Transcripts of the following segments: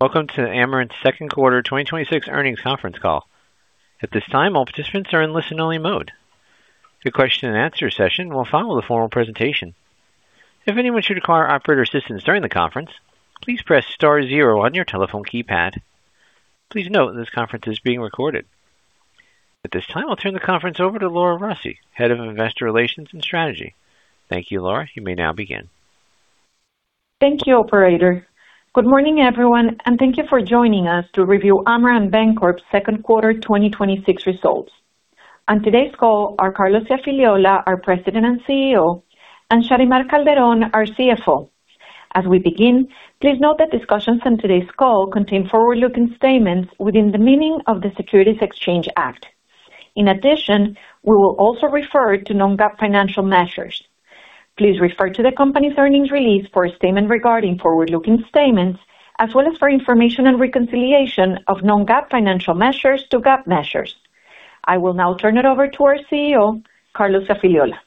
Welcome to Amerant's second quarter 2026 earnings conference call. At this time, all participants are in listen-only mode. The question and answer session will follow the formal presentation. If anyone should require operator assistance during the conference, please press star zero on your telephone keypad. Please note this conference is being recorded. At this time, I'll turn the conference over to Laura Rossi, Head of Investor Relations and Strategy. Thank you, Laura. You may now begin. Thank you, operator. Good morning, everyone, and thank you for joining us to review Amerant Bancorp's second quarter 2026 results. On today's call are Carlos Iafigliola, our President and CEO, and Sharymar Calderón, our CFO. As we begin, please note that discussions on today's call contain forward-looking statements within the meaning of the Securities Exchange Act. In addition, we will also refer to non-GAAP financial measures. Please refer to the company's earnings release for a statement regarding forward-looking statements, as well as for information and reconciliation of non-GAAP financial measures to GAAP measures. I will now turn it over to our CEO, Carlos Iafigliola.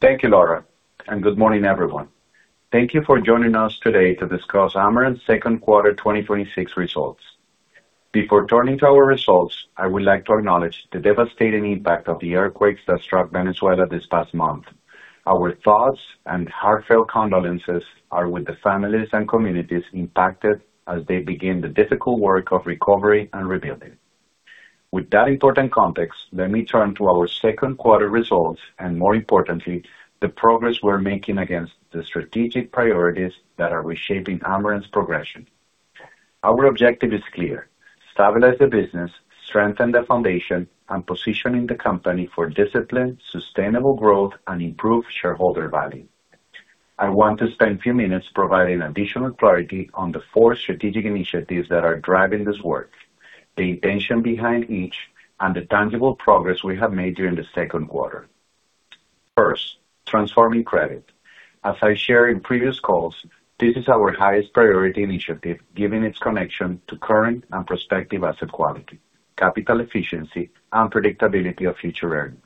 Thank you, Laura, and good morning, everyone. Thank you for joining us today to discuss Amerant's second quarter 2026 results. Before turning to our results, I would like to acknowledge the devastating impact of the earthquakes that struck Venezuela this past month. Our thoughts and heartfelt condolences are with the families and communities impacted as they begin the difficult work of recovery and rebuilding. With that important context, let me turn to our second quarter results, and more importantly, the progress we're making against the strategic priorities that are reshaping Amerant's progression. Our objective is clear: stabilize the business, strengthen the foundation, and positioning the company for disciplined, sustainable growth, and improved shareholder value. I want to spend a few minutes providing additional clarity on the four strategic initiatives that are driving this work, the intention behind each, and the tangible progress we have made during the second quarter. First, transforming credit. As I shared in previous calls, this is our highest priority initiative, given its connection to current and prospective asset quality, capital efficiency, and predictability of future earnings.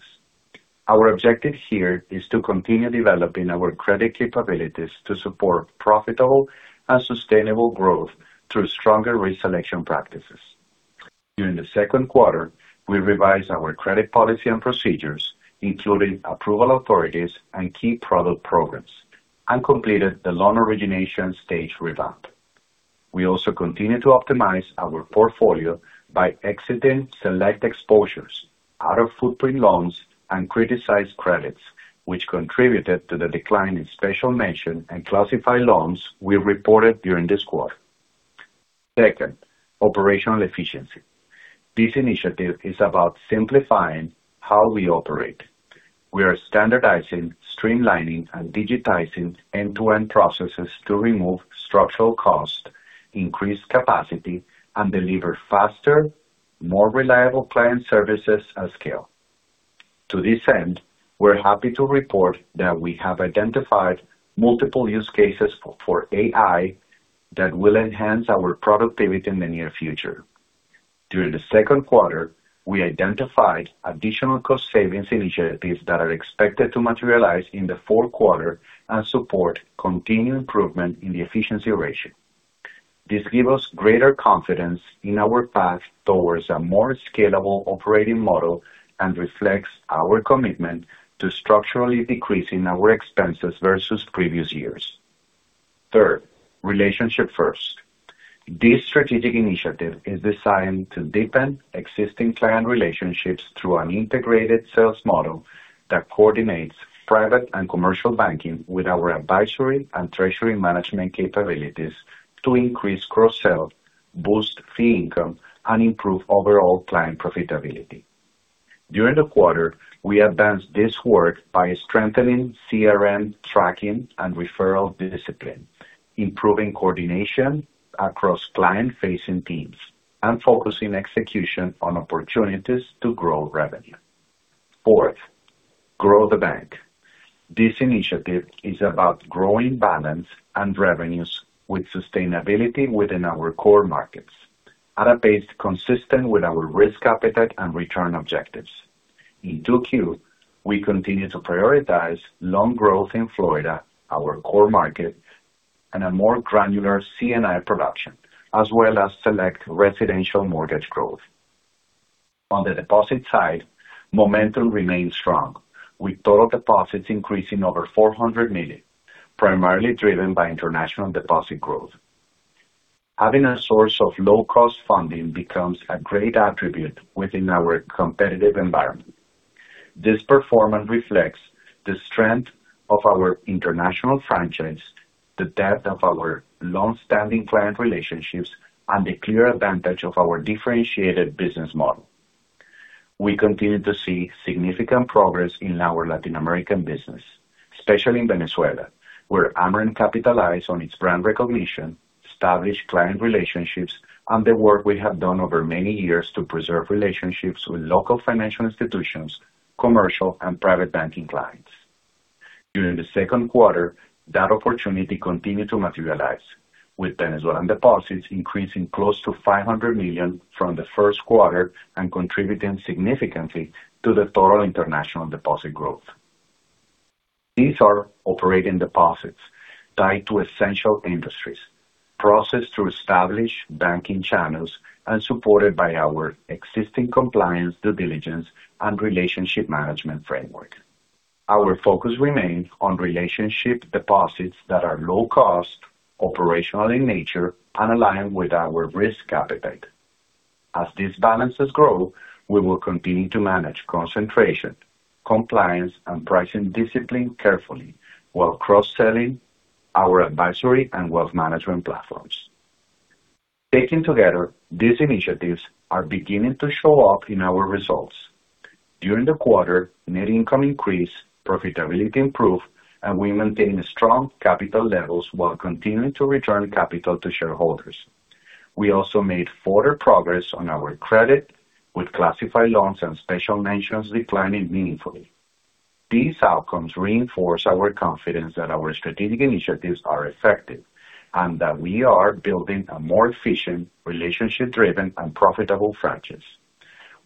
Our objective here is to continue developing our credit capabilities to support profitable and sustainable growth through stronger risk selection practices. During the second quarter, we revised our credit policy and procedures, including approval authorities and key product programs, and completed the loan origination stage revamp. We also continue to optimize our portfolio by exiting select exposures, out-of-footprint loans, and criticized credits, which contributed to the decline in special mention and classified loans we reported during this quarter. Second, operational efficiency. This initiative is about simplifying how we operate. We are standardizing, streamlining, and digitizing end-to-end processes to remove structural cost, increase capacity, and deliver faster, more reliable client services at scale. To this end, we're happy to report that we have identified multiple use cases for AI that will enhance our productivity in the near future. During the second quarter, we identified additional cost-savings initiatives that are expected to materialize in the fourth quarter and support continued improvement in the efficiency ratio. This give us greater confidence in our path towards a more scalable operating model and reflects our commitment to structurally decreasing our expenses versus previous years. Third, relationship first. This strategic initiative is designed to deepen existing client relationships through an integrated sales model that coordinates private and commercial banking with our advisory and treasury management capabilities to increase cross-sell, boost fee income, and improve overall client profitability. During the quarter, we advanced this work by strengthening CRM tracking and referral discipline, improving coordination across client-facing teams, and focusing execution on opportunities to grow revenue. Fourth, grow the bank. This initiative is about growing balance and revenues with sustainability within our core markets at a pace consistent with our risk appetite and return objectives. In 2Q, we continued to prioritize loan growth in Florida, our core market, and a more granular C&I production, as well as select residential mortgage growth. On the deposit side, momentum remained strong, with total deposits increasing over $400 million, primarily driven by international deposit growth. Having a source of low-cost funding becomes a great attribute within our competitive environment. This performance reflects the strength of our international franchise, the depth of our long-standing client relationships, and the clear advantage of our differentiated business model. We continue to see significant progress in our Latin American business, especially in Venezuela, where Amerant capitalized on its brand recognition, established client relationships, and the work we have done over many years to preserve relationships with local financial institutions, commercial, and private banking clients. During the second quarter, that opportunity continued to materialize, with Venezuelan deposits increasing close to $500 million from the first quarter and contributing significantly to the total international deposit growth. These are operating deposits tied to essential industries, processed through established banking channels and supported by our existing compliance, due diligence, and relationship management framework. Our focus remains on relationship deposits that are low cost, operational in nature, and aligned with our risk appetite. As these balances grow, we will continue to manage concentration, compliance, and pricing discipline carefully while cross-selling our advisory and wealth management platforms. Taken together, these initiatives are beginning to show up in our results. During the quarter, net income increased, profitability improved, and we maintained strong capital levels while continuing to return capital to shareholders. We also made further progress on our credit, with classified loans and special mentions declining meaningfully. These outcomes reinforce our confidence that our strategic initiatives are effective, and that we are building a more efficient, relationship-driven, and profitable franchise.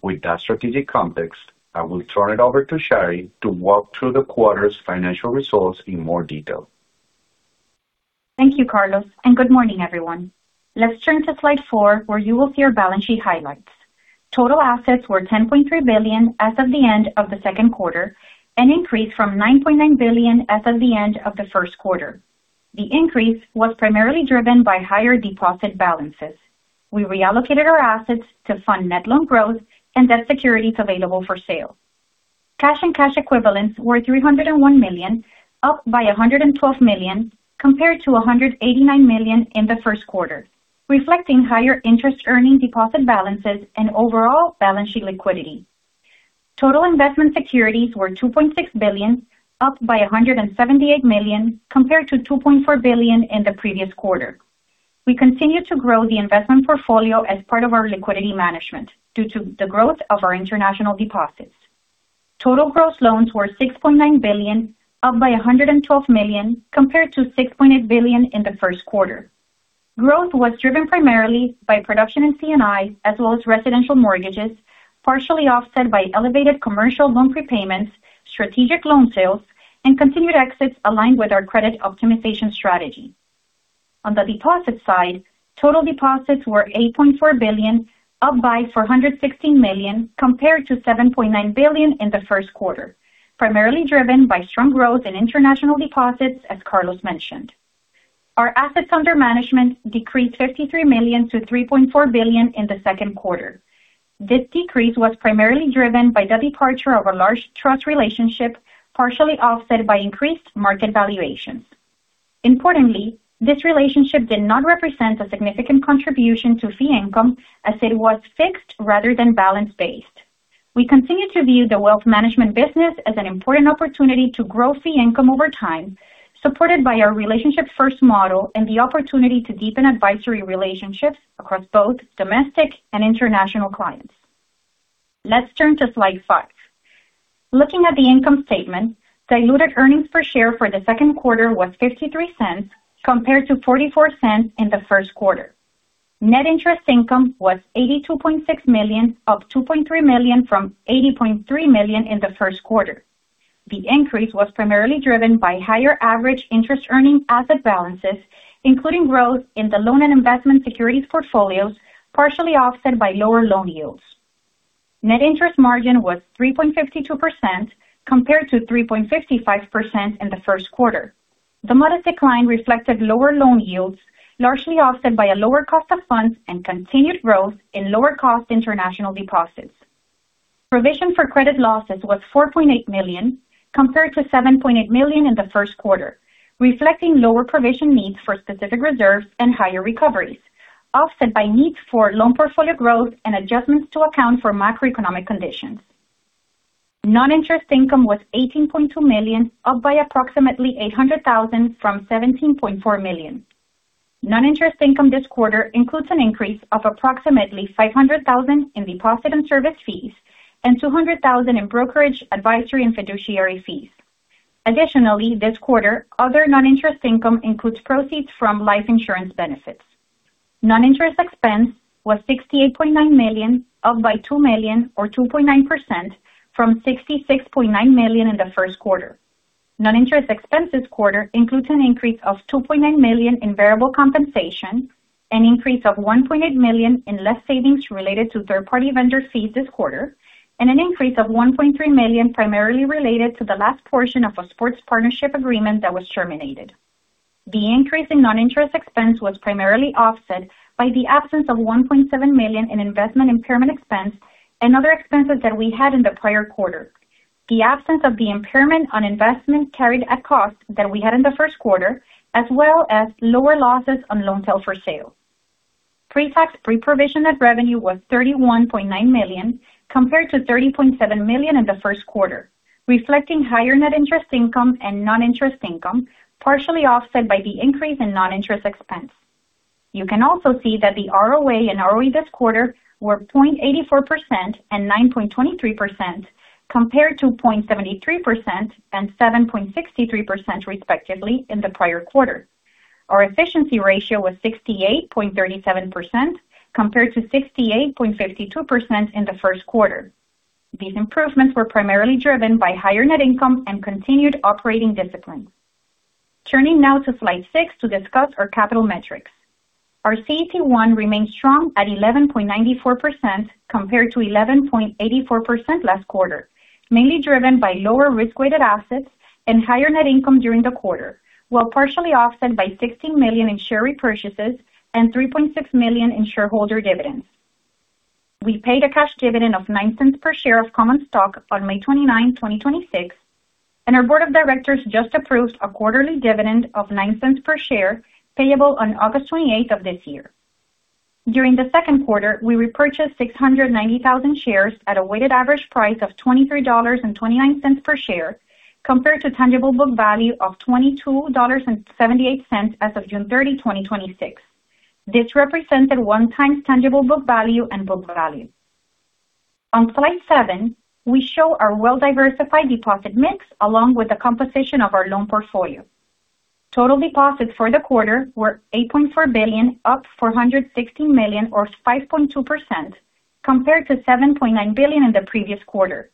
With that strategic context, I will turn it over to Shary to walk through the quarter's financial results in more detail. Thank you, Carlos, and good morning, everyone. Let's turn to slide four, where you will see our balance sheet highlights. Total assets were $10.3 billion as of the end of the second quarter, an increase from $9.9 billion as of the end of the first quarter. The increase was primarily driven by higher deposit balances. We reallocated our assets to fund net loan growth and debt securities available for sale. Cash and cash equivalents were $301 million, up by $112 million compared to $189 million in the first quarter, reflecting higher interest earning deposit balances and overall balance sheet liquidity. Total investment securities were $2.6 billion, up by $178 million compared to $2.4 billion in the previous quarter. We continue to grow the investment portfolio as part of our liquidity management due to the growth of our international deposits. Total gross loans were $6.9 billion, up by $112 million compared to $6.8 billion in the first quarter. Growth was driven primarily by production in C&I, as well as residential mortgages, partially offset by elevated commercial loan prepayments, strategic loan sales, and continued exits aligned with our credit optimization strategy. On the deposit side, total deposits were $8.4 billion, up by $416 million compared to $7.9 billion in the first quarter, primarily driven by strong growth in international deposits, as Carlos mentioned. Our assets under management decreased $53 million to $3.4 billion in the second quarter. This decrease was primarily driven by the departure of a large trust relationship, partially offset by increased market valuations. Importantly, this relationship did not represent a significant contribution to fee income as it was fixed rather than balance-based. We continue to view the wealth management business as an important opportunity to grow fee income over time, supported by our relationship-first model and the opportunity to deepen advisory relationships across both domestic and international clients. Let's turn to slide five. Looking at the income statement, diluted earnings per share for the second quarter was $0.53 compared to $0.44 in the first quarter. Net interest income was $82.6 million, up $2.3 million from $80.3 million in the first quarter. The increase was primarily driven by higher average interest earning asset balances, including growth in the loan and investment securities portfolios, partially offset by lower loan yields. Net interest margin was 3.52% compared to 3.55% in the first quarter. The modest decline reflected lower loan yields, largely offset by a lower cost of funds and continued growth in lower cost international deposits. Provision for credit losses was $4.8 million compared to $7.8 million in the first quarter, reflecting lower provision needs for specific reserves and higher recoveries, offset by needs for loan portfolio growth and adjustments to account for macroeconomic conditions. Non-interest income was $18.2 million, up by approximately $800,000 from $17.4 million. Non-interest income this quarter includes an increase of approximately $500,000 in deposit and service fees and $200,000 in brokerage, advisory, and fiduciary fees. Additionally, this quarter, other non-interest income includes proceeds from life insurance benefits. Non-interest expense was $68.9 million, up by $2 million or 2.9% from $66.9 million in the first quarter. Non-interest expense this quarter includes an increase of $2.9 million in variable compensation, an increase of $1.8 million in less savings related to third-party vendor fees this quarter, and an increase of $1.3 million primarily related to the last portion of a sports partnership agreement that was terminated. The increase in non-interest expense was primarily offset by the absence of $1.7 million in investment impairment expense and other expenses that we had in the prior quarter. The absence of the impairment on investment carried at cost that we had in the first quarter, as well as lower losses on loans held for sale. Pre-tax pre-provision net revenue was $31.9 million compared to $30.7 million in the first quarter, reflecting higher net interest income and non-interest income, partially offset by the increase in non-interest expense. You can also see that the ROA and ROE this quarter were 0.84% and 9.23% compared to 0.73% and 7.63%, respectively, in the prior quarter. Our efficiency ratio was 68.37% compared to 68.52% in the first quarter. These improvements were primarily driven by higher net income and continued operating discipline. Turning now to slide six to discuss our capital metrics. Our CET1 remains strong at 11.94% compared to 11.84% last quarter, mainly driven by lower risk-weighted assets and higher net income during the quarter, while partially offset by $16 million in share repurchases and $3.6 million in shareholder dividends. We paid a cash dividend of $0.09 per share of common stock on May 29, 2026, and our board of directors just approved a quarterly dividend of $0.09 per share, payable on August 28th of this year. During the second quarter, we repurchased 690,000 shares at a weighted average price of $23.29 per share, compared to tangible book value of $22.78 as of June 30, 2026. This represented one times tangible book value and book value. On slide seven, we show our well-diversified deposit mix along with the composition of our loan portfolio. Total deposits for the quarter were $8.4 billion, up $460 million or 5.2%, compared to $7.9 billion in the previous quarter.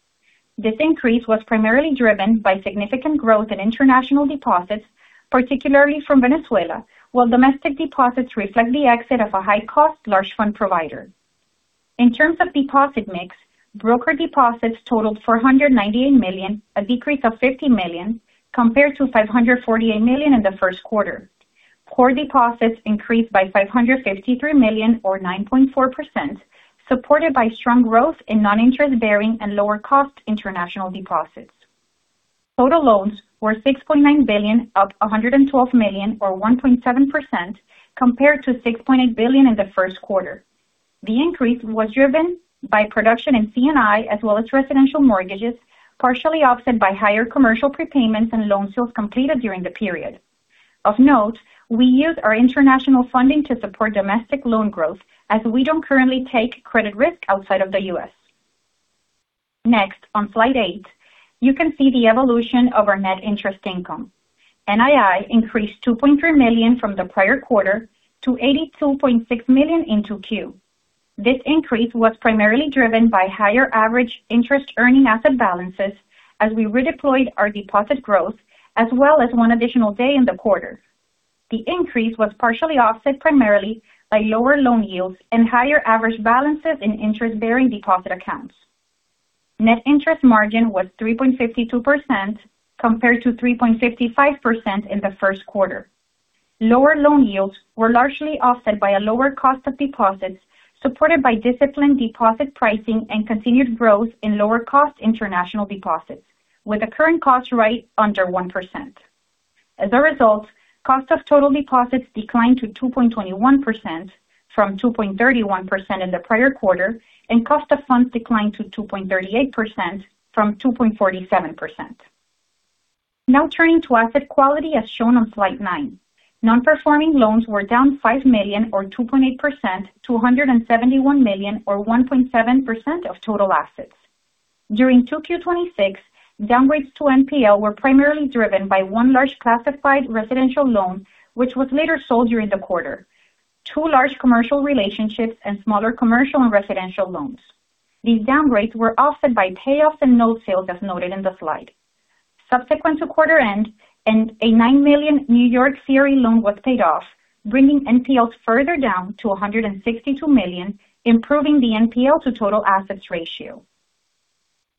This increase was primarily driven by significant growth in international deposits, particularly from Venezuela, while domestic deposits reflect the exit of a high-cost large fund provider. In terms of deposit mix, broker deposits totaled $498 million, a decrease of $50 million, compared to $548 million in the first quarter. Core deposits increased by $553 million or 9.4%, supported by strong growth in non-interest bearing and lower cost international deposits. Total loans were $6.9 billion, up $112 million or 1.7%, compared to $6.8 billion in the first quarter. The increase was driven by production in C&I as well as residential mortgages, partially offset by higher commercial prepayments and loan sales completed during the period. Of note, we use our international funding to support domestic loan growth as we don't currently take credit risk outside of the U.S. Next, on slide eight, you can see the evolution of our net interest income. NII increased $2.3 million from the prior quarter to $82.6 million in 2Q. This increase was primarily driven by higher average interest earning asset balances as we redeployed our deposit growth, as well as one additional day in the quarter. The increase was partially offset primarily by lower loan yields and higher average balances in interest-bearing deposit accounts. Net interest margin was 3.52%, compared to 3.55% in the first quarter. Lower loan yields were largely offset by a lower cost of deposits, supported by disciplined deposit pricing and continued growth in lower cost international deposits with the current cost right under 1%. As a result, cost of total deposits declined to 2.21% from 2.31% in the prior quarter, and cost of funds declined to 2.38% from 2.47%. Now turning to asset quality as shown on slide nine. Non-performing loans were down $5 million or 2.8% to $171 million or 1.7% of total assets. During 2Q 2026, downgrades to NPL were primarily driven by one large classified residential loan, which was later sold during the quarter, two large commercial relationships, and smaller commercial and residential loans. These downgrades were offset by payoffs and note sales as noted in the slide. Subsequent to quarter end, a $9 million N.Y. CRE loan was paid off, bringing NPLs further down to $162 million, improving the NPL to total assets ratio.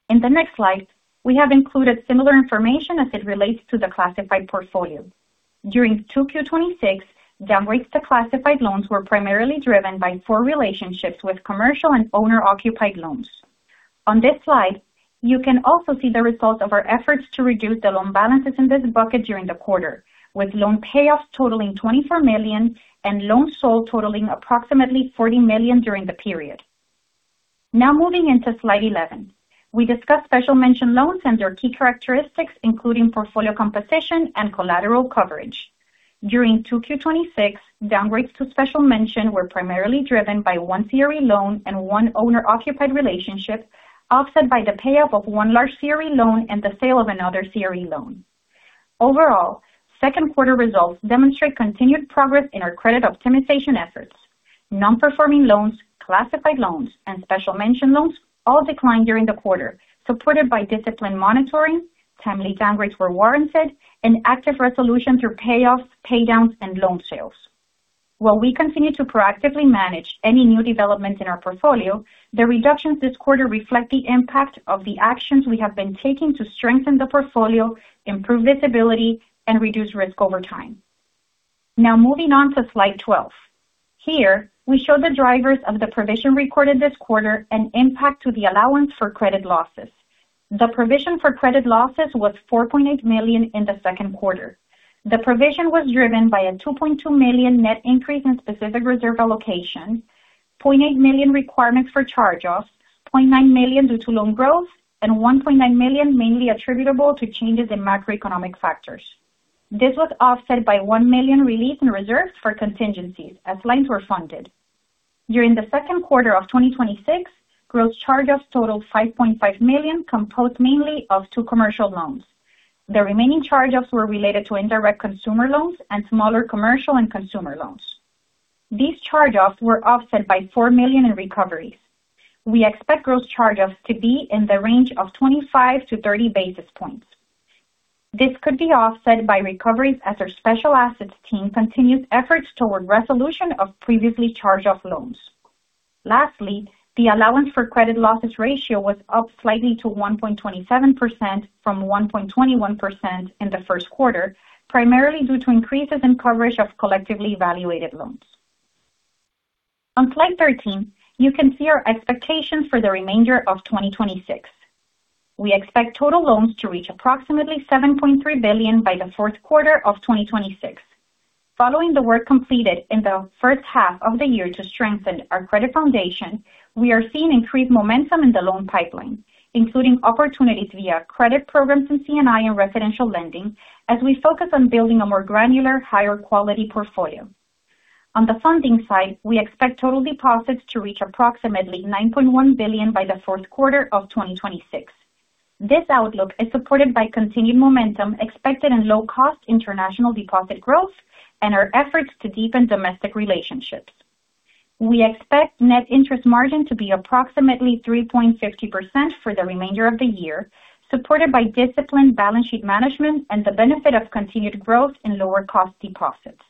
In the next slide, we have included similar information as it relates to the classified portfolio. During 2Q 2026, downgrades to classified loans were primarily driven by four relationships with commercial and owner-occupied loans. On this slide, you can also see the result of our efforts to reduce the loan balances in this bucket during the quarter, with loan payoffs totaling $24 million and loans sold totaling approximately $40 million during the period. Now moving into slide 11. We discuss special mention loans and their key characteristics, including portfolio composition and collateral coverage. During 2Q 2026, downgrades to special mention were primarily driven by one CRE loan and one owner-occupied relationship, offset by the payoff of one large CRE loan and the sale of another CRE loan. Overall, second quarter results demonstrate continued progress in our credit optimization efforts. Non-performing loans, classified loans, and special mention loans all declined during the quarter, supported by disciplined monitoring, timely downgrades where warranted, and active resolution through payoffs, paydowns, and loan sales. While we continue to proactively manage any new developments in our portfolio, the reductions this quarter reflect the impact of the actions we have been taking to strengthen the portfolio, improve visibility, and reduce risk over time. Now moving on to slide 12. Here, we show the drivers of the provision recorded this quarter and impact to the allowance for credit losses. The provision for credit losses was $4.8 million in the second quarter. The provision was driven by a $2.2 million net increase in specific reserve allocation, $0.8 million requirements for charge-offs, $0.9 million due to loan growth, and $1.9 million mainly attributable to changes in macroeconomic factors. This was offset by $1 million release in reserves for contingencies as loans were funded. During the second quarter of 2026, gross charge-offs totaled $5.5 million, composed mainly of two commercial loans. The remaining charge-offs were related to indirect consumer loans and smaller commercial and consumer loans. These charge-offs were offset by $4 million in recoveries. We expect gross charge-offs to be in the range of 25-30 basis points. This could be offset by recoveries as our special assets team continues efforts toward resolution of previously charged-off loans. Lastly, the allowance for credit losses ratio was up slightly to 1.27% from 1.21% in the first quarter, primarily due to increases in coverage of collectively evaluated loans. On slide 13, you can see our expectations for the remainder of 2026. We expect total loans to reach approximately $7.3 billion by the fourth quarter of 2026. Following the work completed in the first half of the year to strengthen our credit foundation, we are seeing increased momentum in the loan pipeline, including opportunities via credit programs in C&I and residential lending, as we focus on building a more granular, higher quality portfolio. On the funding side, we expect total deposits to reach approximately $9.1 billion by the fourth quarter of 2026. This outlook is supported by continued momentum expected in low-cost international deposit growth and our efforts to deepen domestic relationships. We expect net interest margin to be approximately 3.50% for the remainder of the year, supported by disciplined balance sheet management and the benefit of continued growth in lower-cost deposits.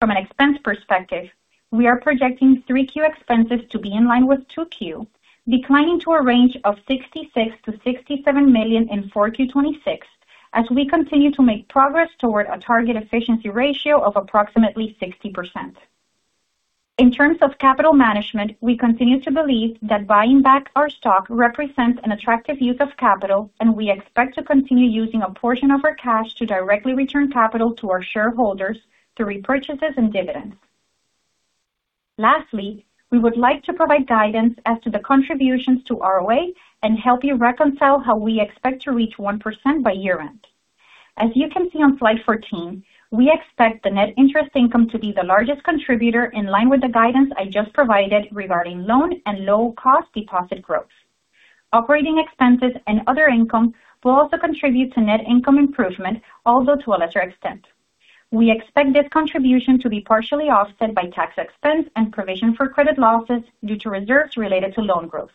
From an expense perspective, we are projecting 3Q expenses to be in line with 2Q, declining to a range of $66 million-$67 million in 4Q 2026, as we continue to make progress toward a target efficiency ratio of approximately 60%. In terms of capital management, we continue to believe that buying back our stock represents an attractive use of capital, and we expect to continue using a portion of our cash to directly return capital to our shareholders through repurchases and dividends. Lastly, we would like to provide guidance as to the contributions to ROA and help you reconcile how we expect to reach 1% by year-end. As you can see on slide 14, we expect the net interest income to be the largest contributor in line with the guidance I just provided regarding loan and low-cost deposit growth. Operating expenses and other income will also contribute to net income improvement, although to a lesser extent. We expect this contribution to be partially offset by tax expense and provision for credit losses due to reserves related to loan growth.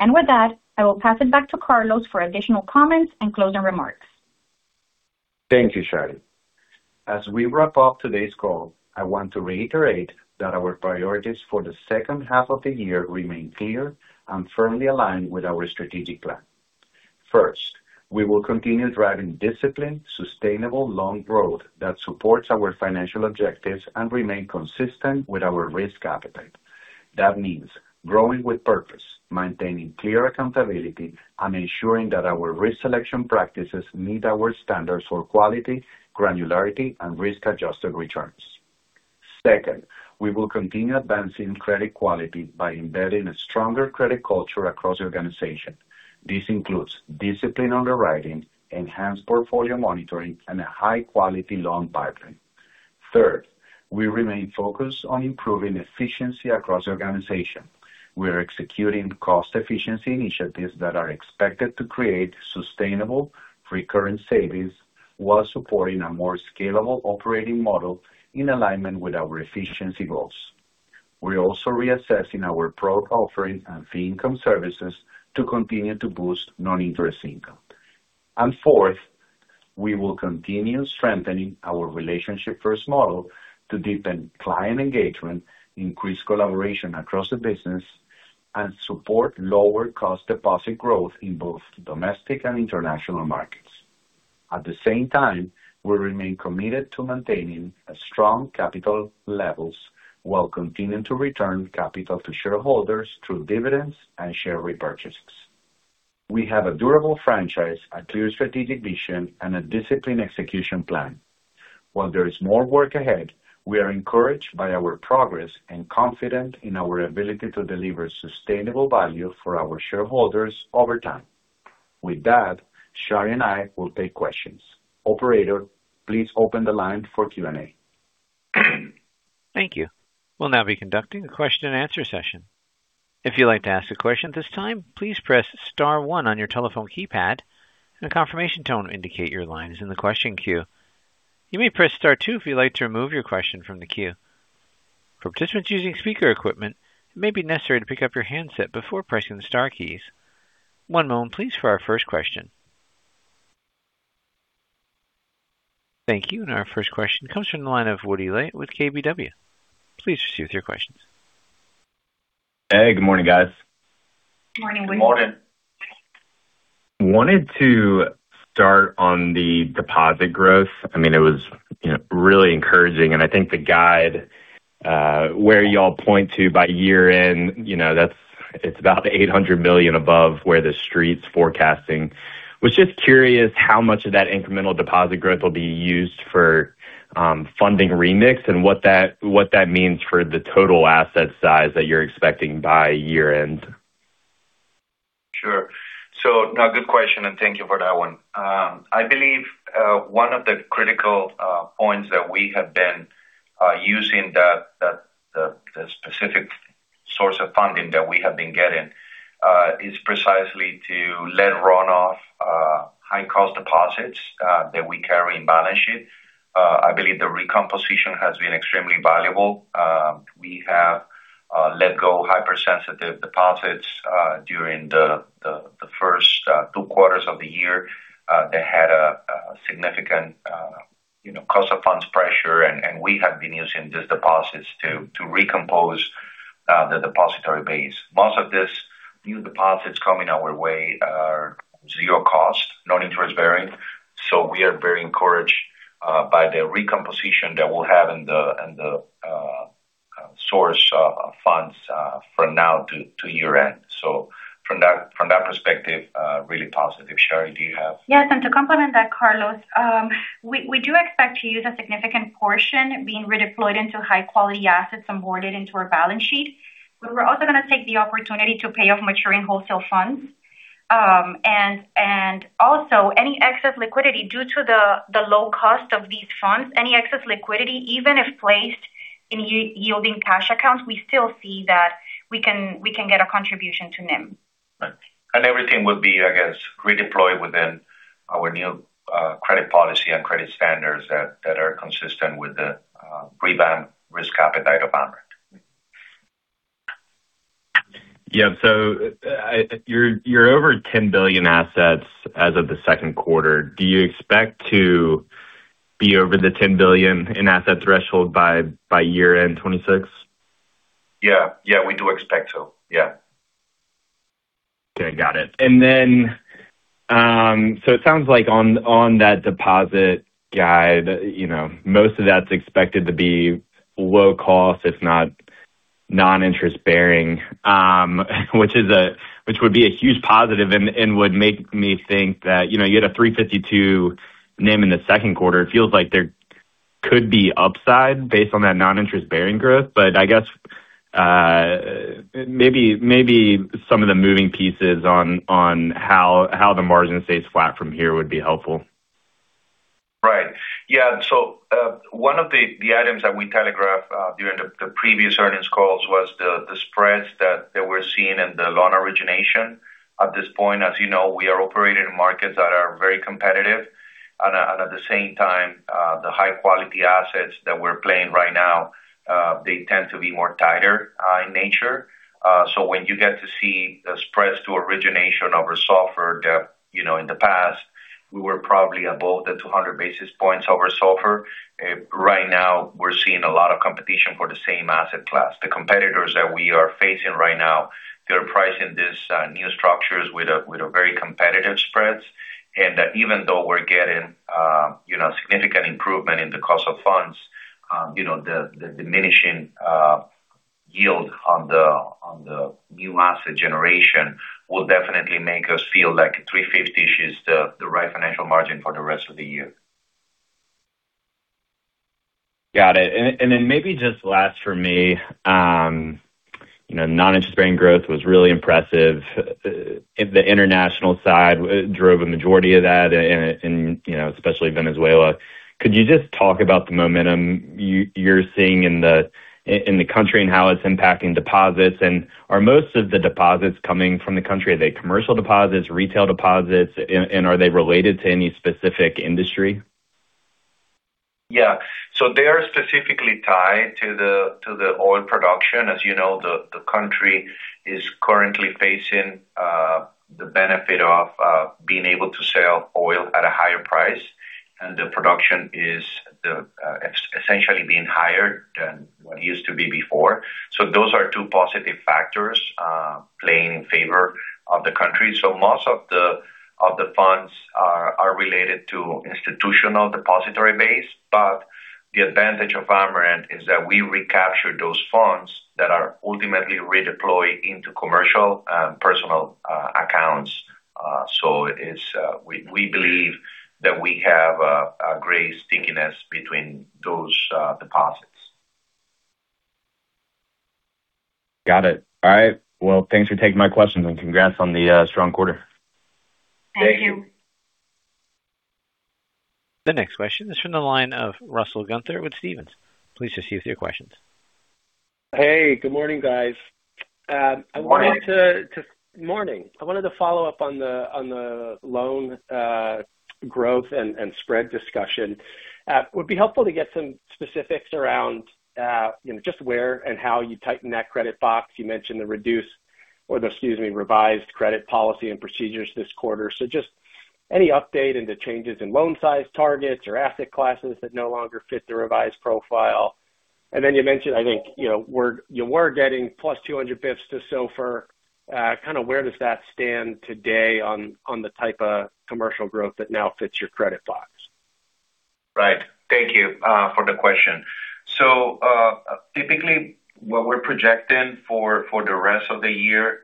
And with that, I will pass it back to Carlos for additional comments and closing remarks. Thank you, Shary. As we wrap up today's call, I want to reiterate that our priorities for the second half of the year remain clear and firmly aligned with our strategic plan. First, we will continue driving disciplined, sustainable loan growth that supports our financial objectives and remain consistent with our risk appetite. That means growing with purpose, maintaining clear accountability, and ensuring that our risk selection practices meet our standards for quality, granularity, and risk-adjusted returns. Second, we will continue advancing credit quality by embedding a stronger credit culture across the organization. This includes disciplined underwriting, enhanced portfolio monitoring, and a high-quality loan pipeline. Third, we remain focused on improving efficiency across the organization. We are executing cost efficiency initiatives that are expected to create sustainable, recurring savings while supporting a more scalable operating model in alignment with our efficiency goals. We're also reassessing our product offering and fee income services to continue to boost non-interest income. Fourth, we will continue strengthening our relationship-first model to deepen client engagement, increase collaboration across the business, and support lower cost deposit growth in both domestic and international markets. At the same time, we remain committed to maintaining strong capital levels while continuing to return capital to shareholders through dividends and share repurchases. We have a durable franchise, a clear strategic vision, and a disciplined execution plan. While there is more work ahead, we are encouraged by our progress and confident in our ability to deliver sustainable value for our shareholders over time. With that, Shary and I will take questions. Operator, please open the line for Q&A. Thank you. We'll now be conducting a question and answer session. If you'd like to ask a question at this time, please press star one on your telephone keypad, and a confirmation tone will indicate your line is in the question queue. You may press star two if you'd like to remove your question from the queue. For participants using speaker equipment, it may be necessary to pick up your handset before pressing the star keys. One moment please for our first question. Thank you. Our first question comes from the line of Woody Lay with KBW. Please proceed with your questions. Hey, good morning, guys. Morning, Woody. Morning. Wanted to start on the deposit growth. It was really encouraging, and I think the guide, where you all point to by year-end, it's about $800 million above where the Street's forecasting. Was just curious how much of that incremental deposit growth will be used for funding remix and what that means for the total asset size that you're expecting by year-end? No, good question, and thank you for that one. I believe one of the critical points that we have been using the specific source of funding that we have been getting is precisely to let run off high cost deposits that we carry in balance sheet. I believe the recomposition has been extremely valuable. We have let go hypersensitive deposits during the first two quarters of the year that had a significant cost of funds pressure, and we have been using these deposits to recompose the depository base. Most of these new deposits coming our way are zero cost, non-interest bearing. We are very encouraged by the recomposition that we'll have in the source funds from now to year-end. From that perspective, really positive. Shary, do you have- Yes, to complement that, Carlos, we do expect to use a significant portion being redeployed into high quality assets on boarded into our balance sheet. We're also going to take the opportunity to pay off maturing wholesale funds. Also due to the low cost of these funds, any excess liquidity, even if placed in yielding cash accounts, we still see that we can get a contribution to NIM. Right. Everything will be, I guess, redeployed within our new credit policy and credit standards that are consistent with the pre-bank risk appetite of Amerant. Yeah. You are over $10 billion in assets as of the second quarter. Do you expect to be over the $10 billion in asset threshold by year-end 2026? Yeah. We do expect so. Yeah. Okay. Got it. It sounds like on that deposit guide, most of that's expected to be low cost, if not non-interest bearing, which would be a huge positive and would make me think that you had a 3.52% NIM in the second quarter. It feels like there could be upside based on that non-interest bearing growth. I guess, maybe some of the moving pieces on how the margin stays flat from here would be helpful. Right. Yeah. One of the items that we telegraphed during the previous earnings calls was the spreads that were seen in the loan origination. At this point, as you know, we are operating in markets that are very competitive. At the same time, the high quality assets that we're playing right now, they tend to be more tighter in nature. When you get to see the spreads to origination over SOFR, in the past, we were probably above the 200 basis points over SOFR. Right now we're seeing a lot of competition for the same asset class. The competitors that we are facing right now, they're pricing these new structures with very competitive spreads. Even though we're getting significant improvement in the cost of funds, the diminishing yield on the new asset generation will definitely make us feel like 3.50% is the right financial margin for the rest of the year. Got it. Maybe just last for me, non-interest bearing growth was really impressive. The international side drove a majority of that, especially Venezuela. Could you just talk about the momentum you're seeing in the country and how it's impacting deposits? Are most of the deposits coming from the country? Are they commercial deposits, retail deposits, and are they related to any specific industry? Yeah. They are specifically tied to the oil production. As you know, the country is currently facing the benefit of being able to sell oil at a higher price, and the production is essentially being higher than what it used to be before. Those are two positive factors playing in favor of the country. Most of the funds are related to institutional depository base. The advantage of Amerant is that we recapture those funds that are ultimately redeployed into commercial and personal accounts. We believe that we have a great stickiness between those deposits. Got it. All right. Well, thanks for taking my questions and congrats on the strong quarter. Thank you. Thank you. The next question is from the line of Russell Gunther with Stephens. Please just use your questions. Hey, good morning, guys. Good morning. Morning. I wanted to follow up on the loan growth and spread discussion. It would be helpful to get some specifics around just where and how you tighten that credit box. You mentioned the revised credit policy and procedures this quarter. Just any update into changes in loan size targets or asset classes that no longer fit the revised profile. You mentioned you were getting plus 200 basis points to SOFR. Where does that stand today on the type of commercial growth that now fits your credit box? Right. Thank you for the question. Typically, what we're projecting for the rest of the year,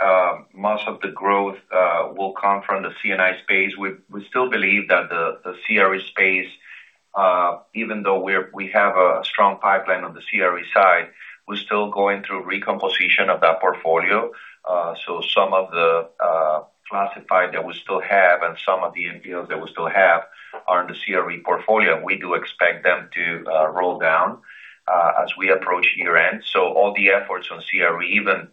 most of the growth will come from the C&I space. We still believe that the CRE space. Even though we have a strong pipeline on the CRE side, we're still going through recomposition of that portfolio. Some of the classified that we still have and some of the NPLs that we still have are in the CRE portfolio. We do expect them to roll down as we approach year-end. All the efforts on CRE, even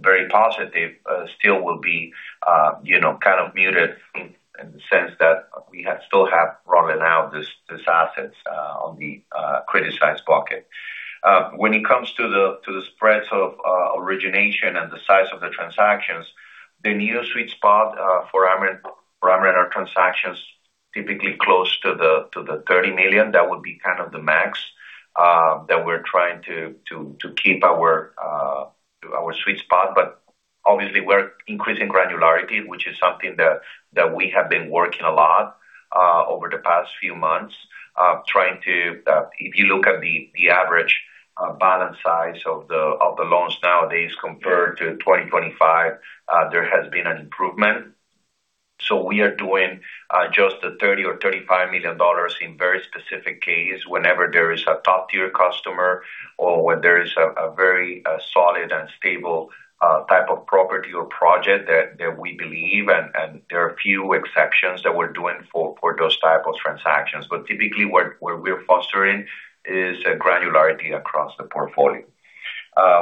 very positive, still will be kind of muted in the sense that we still have rolling out these assets on the credit size bucket. When it comes to the spreads of origination and the size of the transactions, the new sweet spot for Amerant are transactions typically close to the $30 million. That would be kind of the max that we're trying to keep our sweet spot. Obviously, we're increasing granularity, which is something that we have been working a lot on over the past few months. If you look at the average balance size of the loans nowadays compared to 2025, there has been an improvement. We are doing just the $30 million or $35 million in very specific cases whenever there is a top-tier customer or when there is a very solid and stable type of property or project that we believe in, and there are a few exceptions that we're doing for those types of transactions. Typically, what we're fostering is a granularity across the portfolio.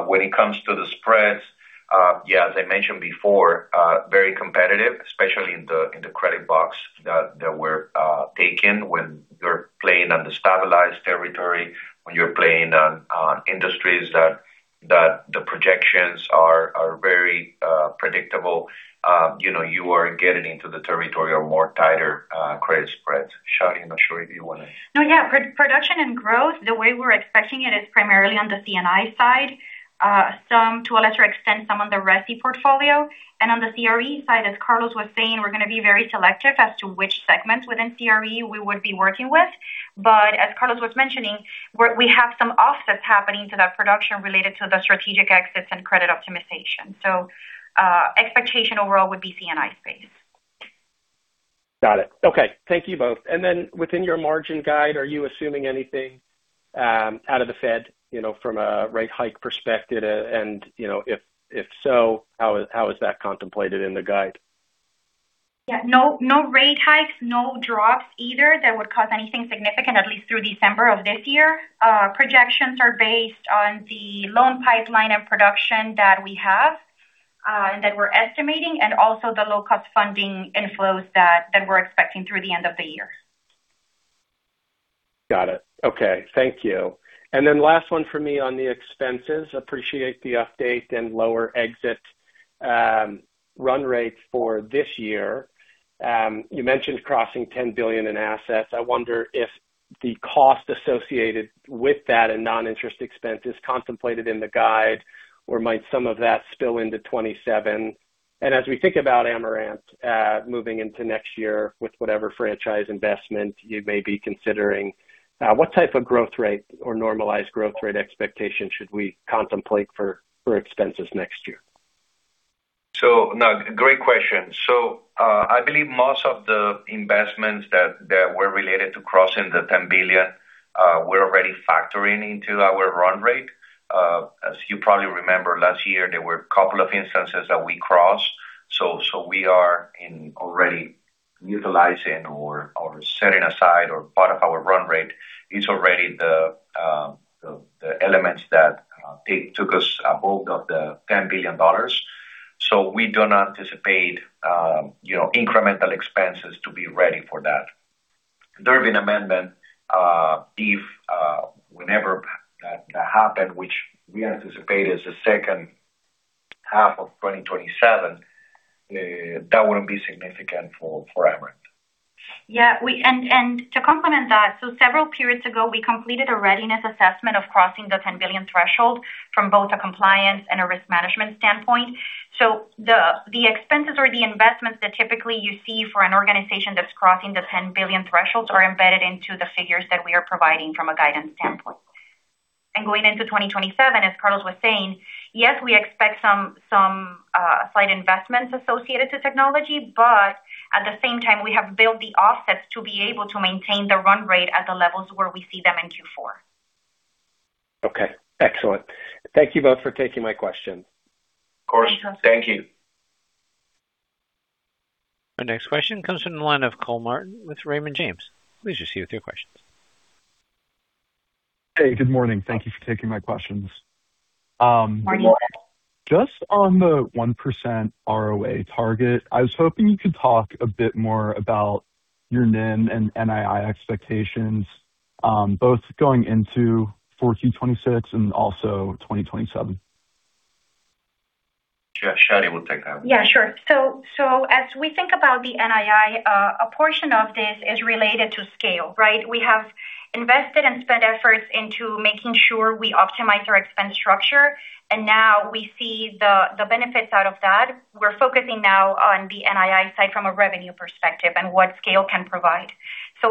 When it comes to the spreads, as I mentioned before, very competitive, especially in the credit box that we're taking when you're playing on the stabilized territory, when you're playing on industries that the projections are very predictable. You are getting into the territory of more tighter credit spreads. Shary, I'm not sure if you want to. No, yeah. Production and growth, the way we're expecting it is primarily on the C&I side. To a lesser extent, some on the residential portfolio. On the CRE side, as Carlos was saying, we're going to be very selective as to which segments within CRE we would be working with. As Carlos was mentioning, we have some offsets happening to that production related to the strategic exits and credit optimization. Expectation overall would be C&I space. Got it. Okay. Thank you both. Within your margin guide, are you assuming anything out of the Fed from a rate hike perspective? If so, how is that contemplated in the guide? Yeah. No rate hikes, no drops either that would cause anything significant, at least through December of this year. Projections are based on the loan pipeline and production that we have, and that we're estimating, and also the low-cost funding inflows that we're expecting through the end of the year. Got it. Okay. Thank you. Last one for me on the expenses. Appreciate the update and lower exit run rates for this year. You mentioned crossing $10 billion in assets. I wonder if the cost associated with that and non-interest expense is contemplated in the guide, or might some of that spill into 2027? As we think about Amerant moving into next year with whatever franchise investment you may be considering, what type of growth rate or normalized growth rate expectation should we contemplate for expenses next year? Great question. I believe most of the investments that were related to crossing the $10 billion were already factoring into our run rate. As you probably remember, last year, there were a couple of instances that we crossed. We are already utilizing or setting aside or part of our run rate is already the elements that took us a hold of the $10 billion. We don't anticipate incremental expenses to be ready for that. There have been amendment if whenever that happened, which we anticipate is the second half of 2027, that wouldn't be significant for Amerant. To complement that, several periods ago, we completed a readiness assessment of crossing the $10 billion threshold from both a compliance and a risk management standpoint. The expenses or the investments that typically you see for an organization that's crossing the $10 billion threshold are embedded into the figures that we are providing from a guidance standpoint. Going into 2027, as Carlos was saying, yes, we expect some slight investments associated to technology. At the same time, we have built the offsets to be able to maintain the run rate at the levels where we see them in Q4. Okay. Excellent. Thank you both for taking my question. Of course. Thank you. Thank you. Our next question comes from the line of Cole Martin with Raymond James. Please proceed with your questions. Hey, good morning. Thank you for taking my questions. Good morning. Just on the 1% ROA target, I was hoping you could talk a bit more about your NIM and NII expectations, both going into 4Q 2026 and also 2027. Shary will take that. Yeah, sure. As we think about the NII, a portion of this is related to scale, right? We have invested and spent efforts into making sure we optimize our expense structure, and now we see the benefits out of that. We're focusing now on the NII side from a revenue perspective and what scale can provide.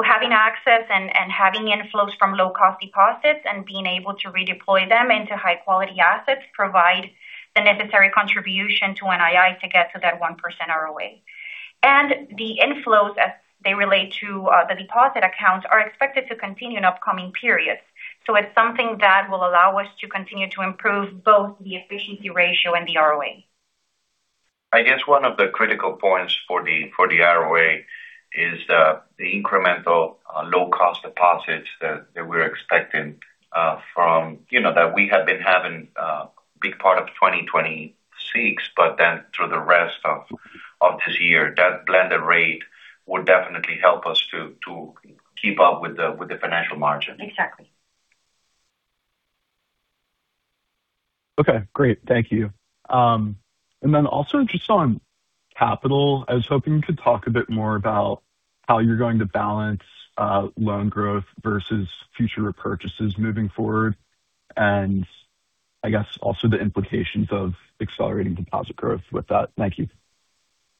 Having access and having inflows from low-cost deposits and being able to redeploy them into high-quality assets provide the necessary contribution to NII to get to that 1% ROA. The inflows as they relate to the deposit accounts are expected to continue in upcoming periods. It's something that will allow us to continue to improve both the efficiency ratio and the ROA. I guess one of the critical points for the ROA is the incremental low-cost deposits that we're expecting. That we have been having big part of 2026 through the rest of this year. That blended rate will definitely help us to keep up with the financial margin. Exactly. Okay, great. Thank you. Also just on capital, I was hoping you could talk a bit more about how you're going to balance loan growth versus future repurchases moving forward. I guess also the implications of accelerating deposit growth with that. Thank you.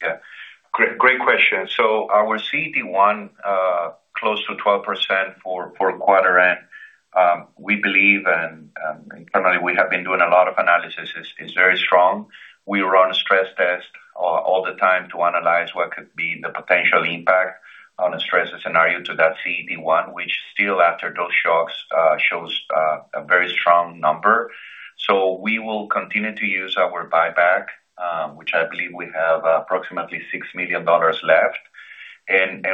Yeah. Great question. Our CET1 close to 12% for quarter end. We believe, and internally we have been doing a lot of analysis, is very strong. We run stress tests all the time to analyze what could be the potential impact on a stress scenario to that CET1, which still after those shocks, shows a very strong number. We will continue to use our buyback, which I believe we have approximately $6 million left.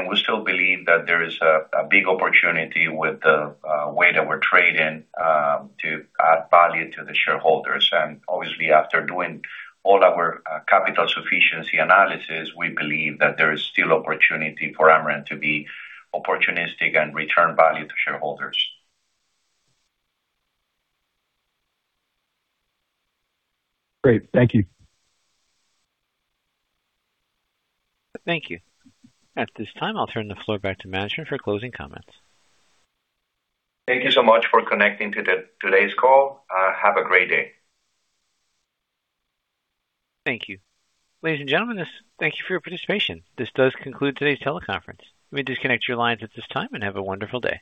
We still believe that there is a big opportunity with the way that we're trading to add value to the shareholders. Obviously after doing all our capital sufficiency analysis, we believe that there is still opportunity for Amerant to be opportunistic and return value to shareholders. Great. Thank you. Thank you. At this time, I'll turn the floor back to management for closing comments. Thank you so much for connecting to today's call. Have a great day. Thank you. Ladies and gentlemen, thank you for your participation. This does conclude today's teleconference. You may disconnect your lines at this time, and have a wonderful day.